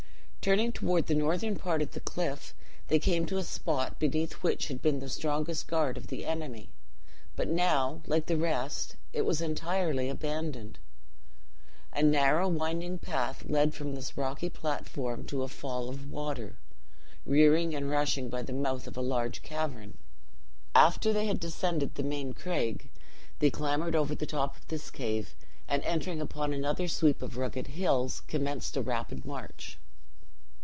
Turning toward the northern part of the cliff, they came to spot beneath which had been the strongest guard of the enemy, but now, like the rest, it was entirely abandoned. A narrow winding path led from this rocky platform to a fall of water, rearing and rushing by the mouth of a large cavern. After they had descended the main craig, they clambered over the top of this cave, and, entering upon another sweep of rugged hills, commenced a rapid march.